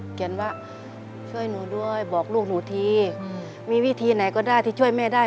เขียนว่าช่วยหนูด้วยบอกลูกหนูทีมีวิธีไหนก็ได้ที่ช่วยแม่ได้